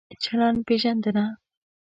چلند پېژندنه